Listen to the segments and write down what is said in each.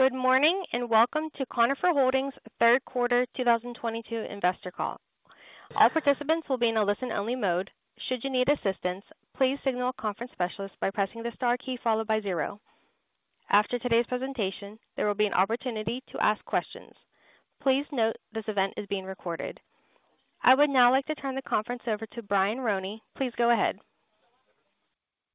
Good morning, and welcome to Conifer Holdings' third quarter 2022 investor call. All participants will be in a listen-only mode. Should you need assistance, please signal a conference specialist by pressing the star key followed by zero. After today's presentation, there will be an opportunity to ask questions. Please note this event is being recorded. I would now like to turn the conference over to Brian Roney. Please go ahead.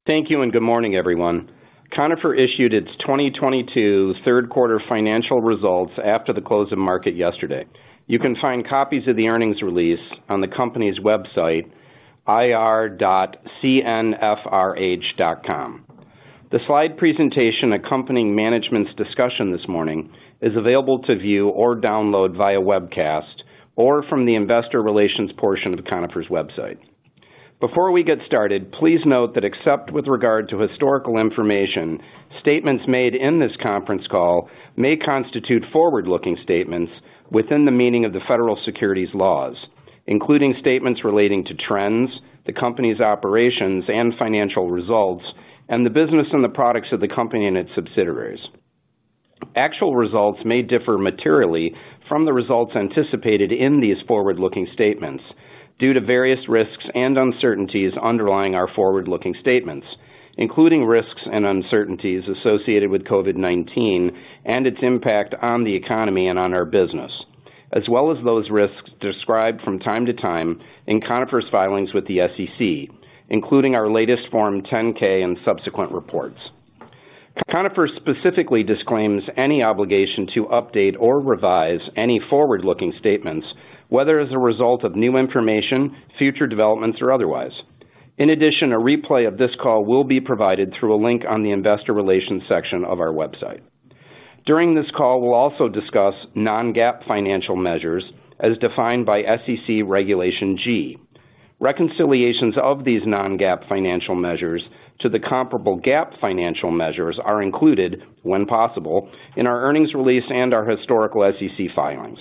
Thank you and good morning, everyone. Conifer issued its 2022 third quarter financial results after the close of market yesterday. You can find copies of the earnings release on the company's website, ir.cnfr.com. The slide presentation accompanying management's discussion this morning is available to view or download via webcast or from the investor relations portion of Conifer's website. Before we get started, please note that except with regard to historical information, statements made in this conference call may constitute forward-looking statements within the meaning of the federal securities laws, including statements relating to trends, the company's operations and financial results, and the business and the products of the company and its subsidiaries. Actual results may differ materially from the results anticipated in these forward-looking statements due to various risks and uncertainties underlying our forward-looking statements, including risks and uncertainties associated with COVID-19 and its impact on the economy and on our business, as well as those risks described from time to time in Conifer's filings with the SEC, including our latest Form 10-K and subsequent reports. Conifer specifically disclaims any obligation to update or revise any forward-looking statements, whether as a result of new information, future developments, or otherwise. In addition, a replay of this call will be provided through a link on the investor relations section of our website. During this call, we'll also discuss non-GAAP financial measures as defined by SEC Regulation G. Reconciliations of these non-GAAP financial measures to the comparable GAAP financial measures are included, when possible, in our earnings release and our historical SEC filings.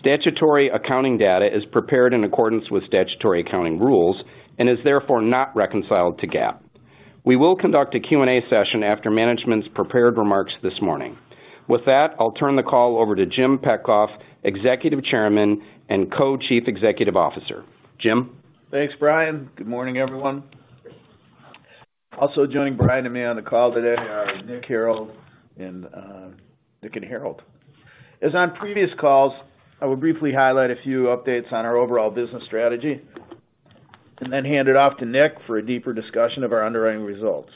Statutory accounting data is prepared in accordance with statutory accounting rules and is therefore not reconciled to GAAP. We will conduct a Q&A session after management's prepared remarks this morning. With that, I'll turn the call over to Jim Petcoff, Executive Chairman and Co-Chief Executive Officer. Jim? Thanks, Brian. Good morning, everyone. Also joining Brian and me on the call today are Nick Petcoff and Harold Meloche. As on previous calls, I will briefly highlight a few updates on our overall business strategy and then hand it off to Nick for a deeper discussion of our underwriting results.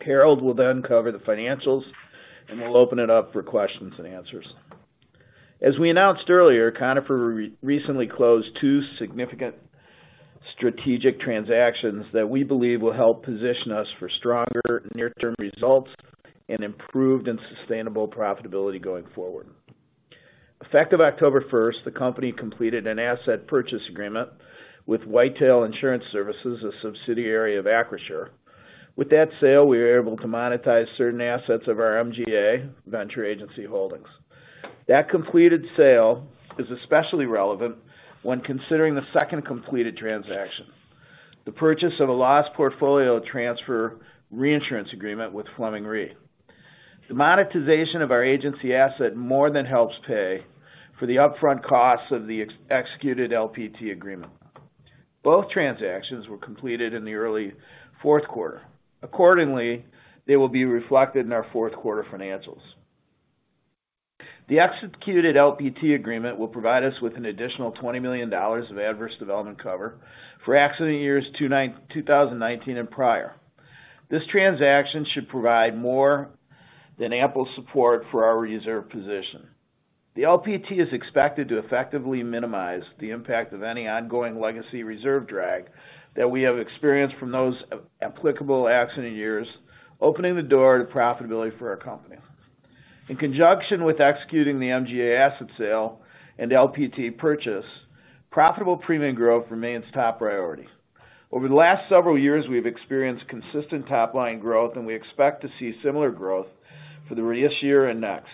Harold will then cover the financials, and we'll open it up for questions and answers. As we announced earlier, Conifer recently closed two significant strategic transactions that we believe will help position us for stronger near-term results and improved and sustainable profitability going forward. Effective October first, the company completed an asset purchase agreement with White Whale Insurance Services, a subsidiary of Acrisure. With that sale, we were able to monetize certain assets of our MGA, Venture Agency Holdings. That completed sale is especially relevant when considering the second completed transaction, the purchase of a loss portfolio transfer reinsurance agreement with Fleming Re. The monetization of our agency asset more than helps pay for the upfront costs of the executed LPT agreement. Both transactions were completed in the early fourth quarter. Accordingly, they will be reflected in our fourth quarter financials. The executed LPT agreement will provide us with an additional $20 million of adverse development cover for accident years 2019 and prior. This transaction should provide more than ample support for our reserve position. The LPT is expected to effectively minimize the impact of any ongoing legacy reserve drag that we have experienced from those applicable accident years, opening the door to profitability for our company. In conjunction with executing the MGA asset sale and LPT purchase, profitable premium growth remains top priority. Over the last several years, we've experienced consistent top-line growth, and we expect to see similar growth for this year and next.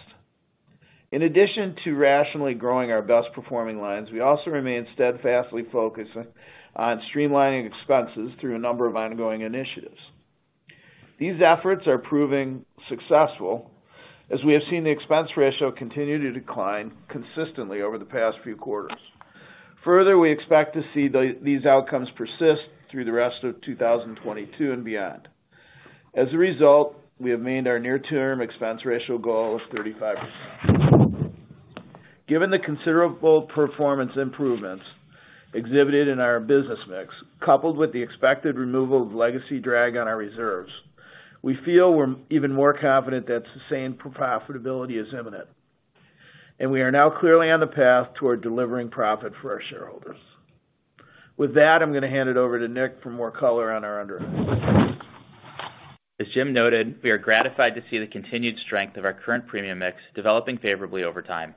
In addition to rationally growing our best-performing lines, we also remain steadfastly focused on streamlining expenses through a number of ongoing initiatives. These efforts are proving successful as we have seen the expense ratio continue to decline consistently over the past few quarters. Further, we expect to see these outcomes persist through the rest of 2022 and beyond. As a result, we have met our near-term expense ratio goal of 35%. Given the considerable performance improvements exhibited in our business mix, coupled with the expected removal of legacy drag on our reserves, we feel we're even more confident that sustained profitability is imminent, and we are now clearly on the path toward delivering profit for our shareholders. With that, I'm gonna hand it over to Nick for more color on our underwriting. As Jim noted, we are gratified to see the continued strength of our current premium mix developing favorably over time.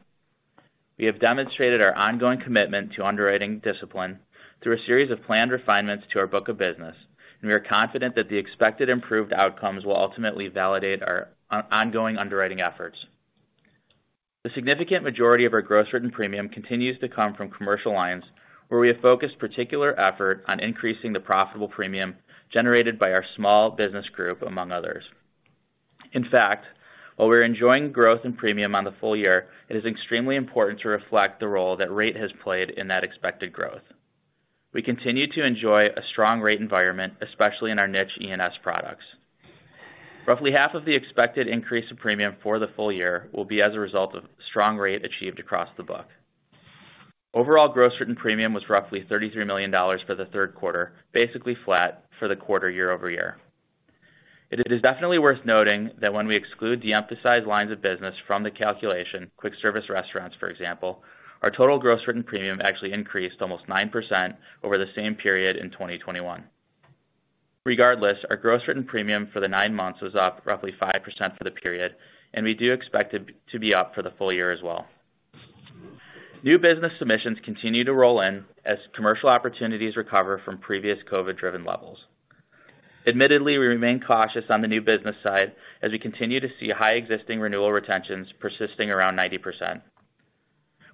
We have demonstrated our ongoing commitment to underwriting discipline through a series of planned refinements to our book of business, and we are confident that the expected improved outcomes will ultimately validate our ongoing underwriting efforts. The significant majority of our gross written premium continues to come from commercial lines, where we have focused particular effort on increasing the profitable premium generated by our small business group, among others. In fact, while we're enjoying growth in premium on the full year, it is extremely important to reflect the role that rate has played in that expected growth. We continue to enjoy a strong rate environment, especially in our niche E&S products. Roughly half of the expected increase of premium for the full year will be as a result of strong rate achieved across the book. Overall, gross written premium was roughly $33 million for the third quarter, basically flat for the quarter year-over-year. It is definitely worth noting that when we exclude de-emphasized lines of business from the calculation, quick service restaurants, for example, our total gross written premium actually increased almost 9% over the same period in 2021. Regardless, our gross written premium for the nine months was up roughly 5% for the period, and we do expect it to be up for the full year as well. New business submissions continue to roll in as commercial opportunities recover from previous COVID-driven levels. Admittedly, we remain cautious on the new business side as we continue to see high existing renewal retentions persisting around 90%.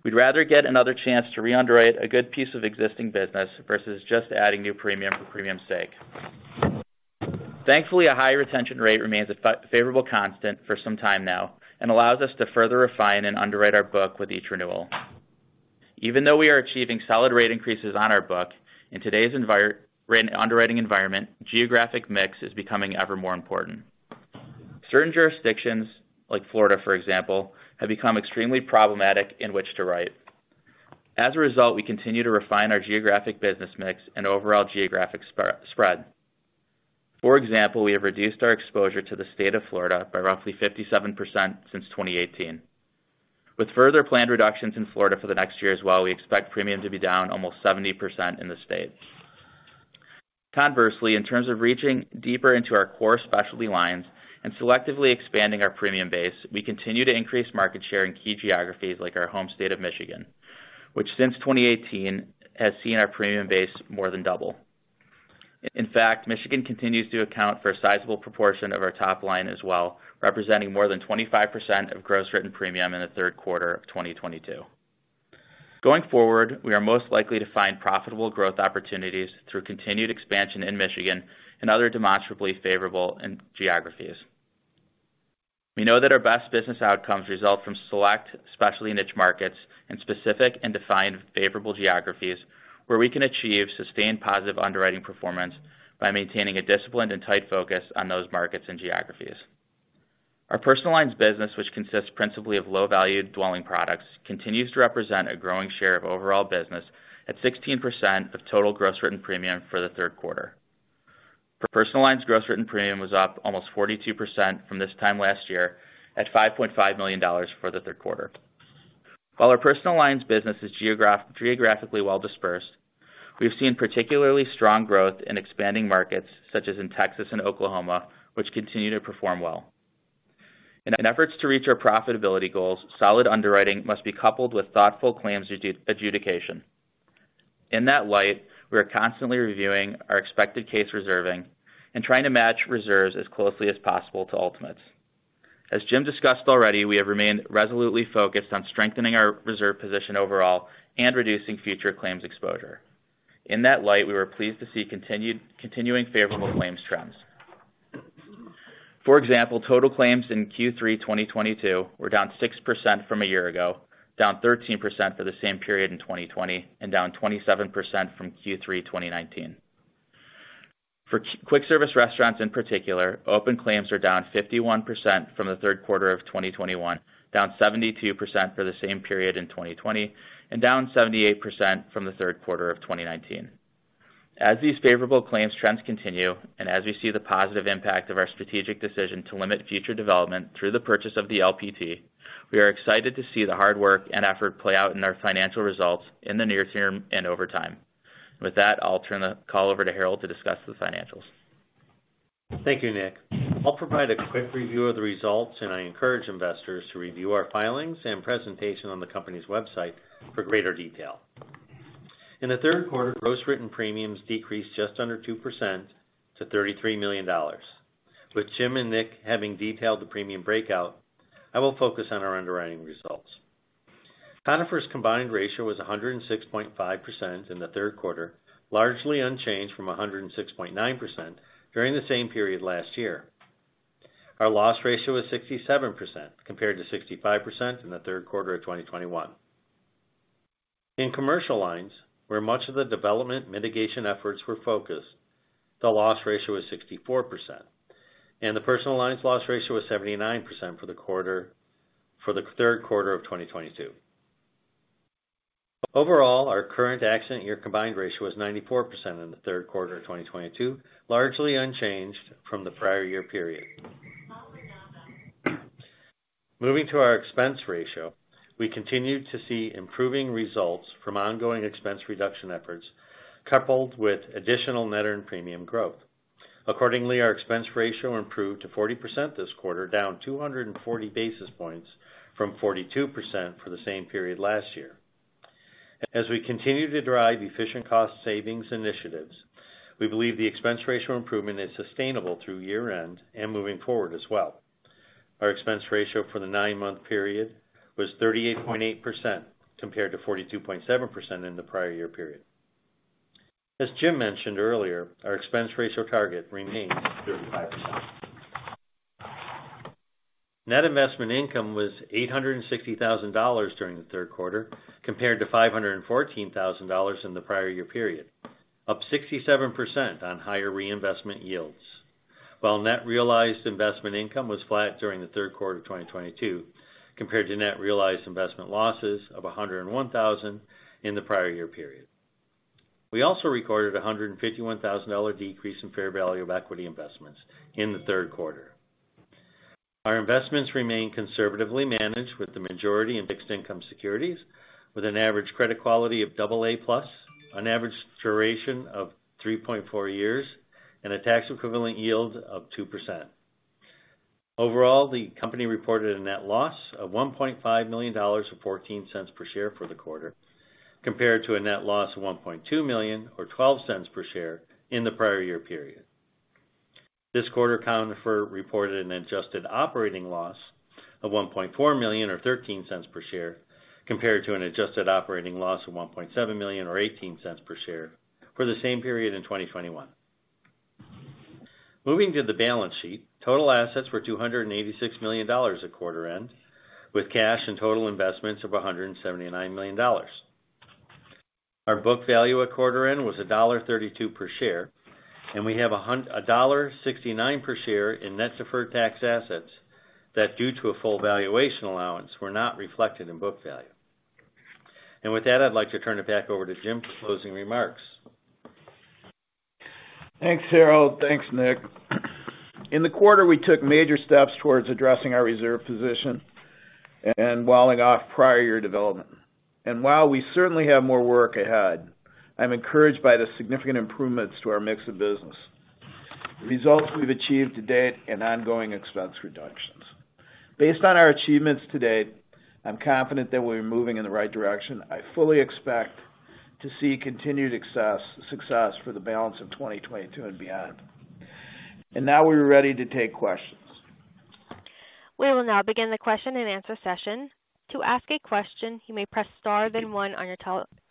We'd rather get another chance to re-underwrite a good piece of existing business versus just adding new premium for premium's sake. Thankfully, a high retention rate remains a favorable constant for some time now and allows us to further refine and underwrite our book with each renewal. Even though we are achieving solid rate increases on our book, in today's rate underwriting environment, geographic mix is becoming ever more important. Certain jurisdictions, like Florida, for example, have become extremely problematic in which to write. As a result, we continue to refine our geographic business mix and overall geographic spread. For example, we have reduced our exposure to the state of Florida by roughly 57% since 2018. With further planned reductions in Florida for the next year as well, we expect premium to be down almost 70% in the state. Conversely, in terms of reaching deeper into our core specialty lines and selectively expanding our premium base, we continue to increase market share in key geographies like our home state of Michigan, which since 2018 has seen our premium base more than double. In fact, Michigan continues to account for a sizable proportion of our top line as well, representing more than 25% of gross written premium in the third quarter of 2022. Going forward, we are most likely to find profitable growth opportunities through continued expansion in Michigan and other demonstrably favorable geographies. We know that our best business outcomes result from select, specialty niche markets and specific and defined favorable geographies where we can achieve sustained positive underwriting performance by maintaining a disciplined and tight focus on those markets and geographies. Our personal lines business, which consists principally of low-value dwelling products, continues to represent a growing share of overall business at 16% of total gross written premium for the third quarter. Personal lines gross written premium was up almost 42% from this time last year, at $5.5 million for the third quarter. While our personal lines business is geographically well dispersed, we've seen particularly strong growth in expanding markets such as in Texas and Oklahoma, which continue to perform well. In our efforts to reach our profitability goals, solid underwriting must be coupled with thoughtful claims adjudication. In that light, we are constantly reviewing our expected case reserving and trying to match reserves as closely as possible to ultimates. As Jim discussed already, we have remained resolutely focused on strengthening our reserve position overall and reducing future claims exposure. In that light, we were pleased to see continuing favorable claims trends. For example, total claims in Q3 2022 were down 6% from a year ago, down 13% for the same period in 2020, and down 27% from Q3 2019. For quick service restaurants in particular, open claims are down 51% from the third quarter of 2021, down 72% for the same period in 2020, and down 78% from the third quarter of 2019. As these favorable claims trends continue, and as we see the positive impact of our strategic decision to limit future development through the purchase of the LPT, we are excited to see the hard work and effort play out in our financial results in the near term and over time. With that, I'll turn the call over to Harold to discuss the financials. Thank you, Nick. I'll provide a quick review of the results, and I encourage investors to review our filings and presentation on the company's website for greater detail. In the third quarter, gross written premiums decreased just under 2% to $33 million. With Jim and Nick having detailed the premium breakout, I will focus on our underwriting results. Conifer's combined ratio was 106.5% in the third quarter, largely unchanged from 106.9% during the same period last year. Our loss ratio was 67%, compared to 65% in the third quarter of 2021. In commercial lines, where much of the development mitigation efforts were focused, the loss ratio was 64%, and the personal lines loss ratio was 79% for the third quarter of 2022. Overall, our current accident year combined ratio was 94% in the third quarter of 2022, largely unchanged from the prior year period. Moving to our expense ratio, we continued to see improving results from ongoing expense reduction efforts, coupled with additional net earned premium growth. Accordingly, our expense ratio improved to 40% this quarter, down 240 basis points from 42% for the same period last year. As we continue to drive efficient cost savings initiatives, we believe the expense ratio improvement is sustainable through year-end and moving forward as well. Our expense ratio for the nine-month period was 38.8% compared to 42.7% in the prior year period. As Jim mentioned earlier, our expense ratio target remains 35%. Net investment income was $860,000 during the third quarter compared to $514,000 in the prior year period, up 67% on higher reinvestment yields. While net realized investment income was flat during the third quarter of 2022 compared to net realized investment losses of $101,000 in the prior year period. We also recorded a $151,000 decrease in fair value of equity investments in the third quarter. Our investments remain conservatively managed with the majority in fixed income securities, with an average credit quality of AA+, an average duration of three point four years, and a tax equivalent yield of 2%. Overall, the company reported a net loss of $1.5 million or 14 cents per share for the quarter, compared to a net loss of $1.2 million or 12 cents per share in the prior year period. This quarter, Conifer reported an adjusted operating loss of $1.4 million or 13 cents per share, compared to an adjusted operating loss of $1.7 million or 18 cents per share for the same period in 2021. Moving to the balance sheet, total assets were $286 million at quarter end, with cash and total investments of $179 million. Our book value at quarter end was $1.32 per share, and we have $1.69 per share in net deferred tax assets that, due to a full valuation allowance, were not reflected in book value. With that, I'd like to turn it back over to Jim for closing remarks. Thanks, Harold. Thanks, Nick. In the quarter, we took major steps towards addressing our reserve position and walling off prior year development. While we certainly have more work ahead, I'm encouraged by the significant improvements to our mix of business, the results we've achieved to date, and ongoing expense reductions. Based on our achievements to date, I'm confident that we're moving in the right direction. I fully expect to see continued success for the balance of 2022 and beyond. Now we are ready to take questions. We will now begin the question-and-answer session. To ask a question, you may press star then one on your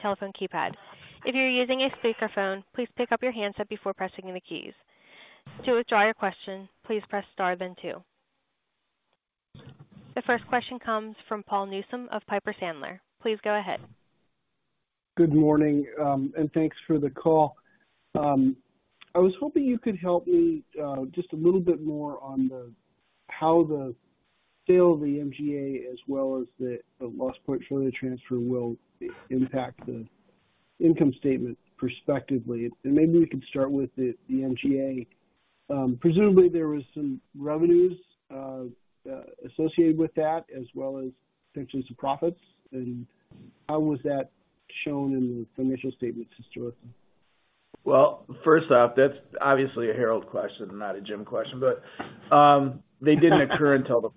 telephone keypad. If you're using a speakerphone, please pick up your handset before pressing the keys. To withdraw your question, please press star then two. The first question comes from Paul Newsome of Piper Sandler. Please go ahead. Good morning, and thanks for the call. I was hoping you could help me, just a little bit more on how the sale of the MGA as well as the loss portfolio transfer will impact the income statement prospectively. Maybe we could start with the MGA. Presumably there was some revenues associated with that as well as potentially some profits. How was that shown in the financial statements historically? Well, first off, that's obviously a Harold question, not a Jim question. They didn't occur until the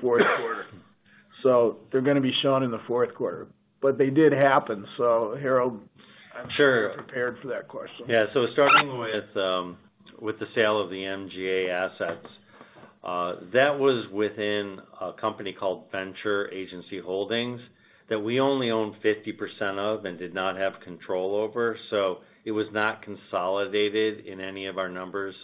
fourth quarter, so they're gonna be shown in the fourth quarter. They did happen. Harold. Sure. I'm sure you're prepared for that question. Yeah. Starting with the sale of the MGA assets, that was within a company called Venture Agency Holdings that we only own 50% of and did not have control over. It was not consolidated in any of our numbers.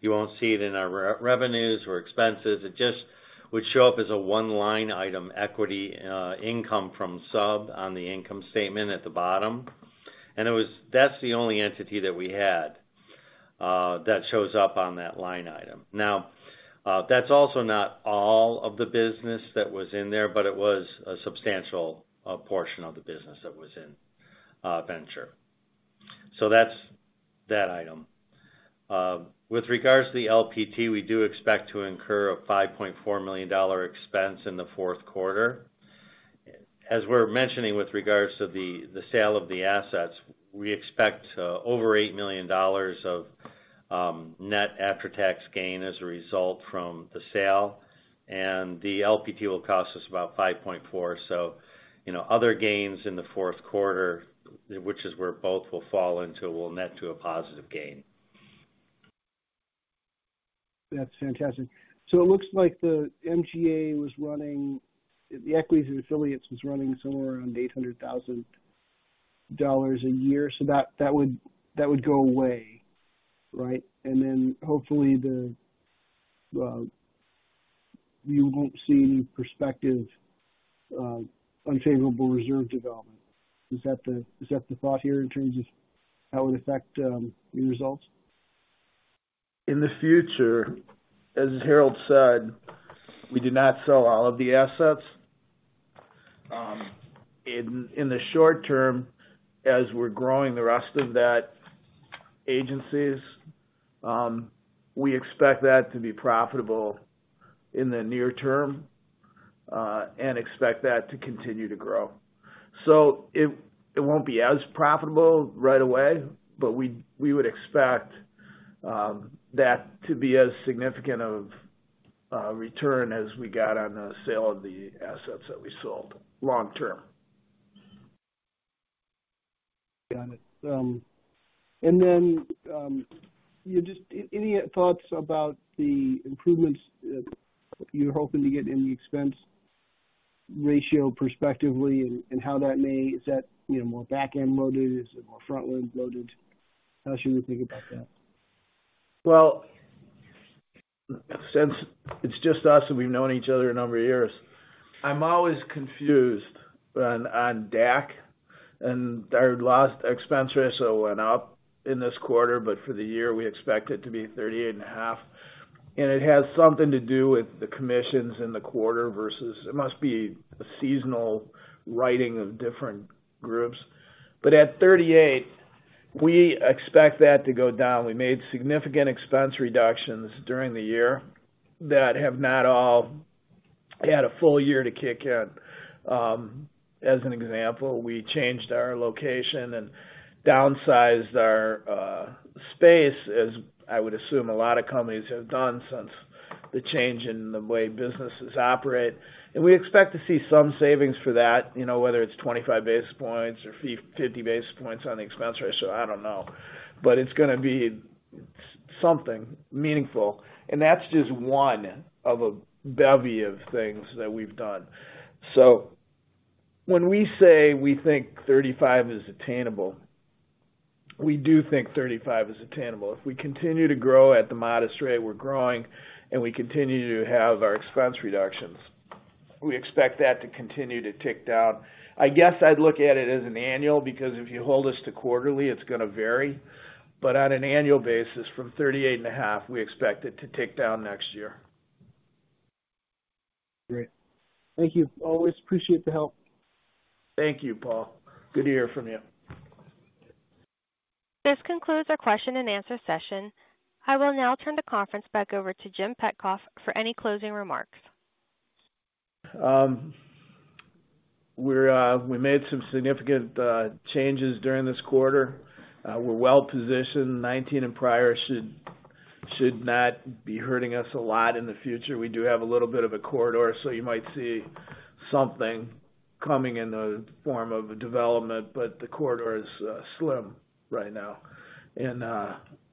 You won't see it in our revenues or expenses. It just would show up as a one-line item equity income from sub on the income statement at the bottom. That's the only entity that we had that shows up on that line item. Now, that's also not all of the business that was in there, but it was a substantial portion of the business that was in Venture. That's that item. With regards to the LPT, we do expect to incur a $5.4 million expense in the fourth quarter. As we're mentioning with regards to the sale of the assets, we expect over $8 million of net after-tax gain as a result from the sale, and the LPT will cost us about $5.4 million. You know, other gains in the fourth quarter, which is where both will fall into, will net to a positive gain. That's fantastic. It looks like the MGA was running. The equities and affiliates was running somewhere around $800,000 a year. That would go away, right? Hopefully you won't see any prospective unfavorable reserve development. Is that the thought here in terms of how it would affect the results? In the future, as Harold said, we do not sell all of the assets. In the short term, as we're growing the rest of that agencies, we expect that to be profitable in the near term and expect that to continue to grow. It won't be as profitable right away, but we would expect that to be as significant a return as we got on the sale of the assets that we sold long term. Got it. Any thoughts about the improvements that you're hoping to get in the expense ratio prospectively and how that may. Is that, you know, more back-end loaded? Is it more front-end loaded? How should we think about that? Well, since it's just us and we've known each other a number of years, I'm always confused on DAC. Our last expense ratio went up in this quarter, but for the year, we expect it to be 38.5%. It has something to do with the commissions in the quarter versus it must be a seasonal writing of different groups. At 38%, we expect that to go down. We made significant expense reductions during the year that have not all had a full year to kick in. As an example, we changed our location and downsized our space as I would assume a lot of companies have done since the change in the way businesses operate. We expect to see some savings for that, you know, whether it's 25 basis points or fifty basis points on the expense ratio, I don't know. It's gonna be something meaningful, and that's just one of a bevy of things that we've done. When we say we think 35 is attainable, we do think 35 is attainable. If we continue to grow at the modest rate we're growing, and we continue to have our expense reductions, we expect that to continue to tick down. I guess I'd look at it as an annual, because if you hold us to quarterly, it's gonna vary. On an annual basis from 38.5, we expect it to tick down next year. Great. Thank you. Always appreciate the help. Thank you, Paul. Good to hear from you. This concludes our question and answer session. I will now turn the conference back over to Jim Petcoff for any closing remarks. We made some significant changes during this quarter. We're well positioned. 19 and prior should not be hurting us a lot in the future. We do have a little bit of a corridor, so you might see something coming in the form of a development, but the corridor is slim right now.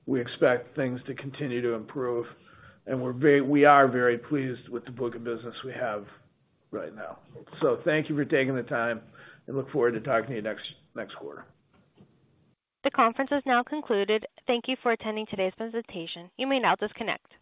We expect things to continue to improve. We are very pleased with the book of business we have right now. Thank you for taking the time, and look forward to talking to you next quarter. The conference has now concluded. Thank you for attending today's presentation. You may now disconnect.